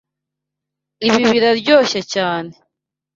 Ibi biraryoshye cyane.